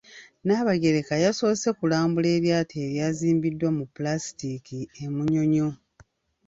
Nnaabagereka yasoose kulambula eryato eryazimbiddwa mu Pulaasitiiki e Munyonyo.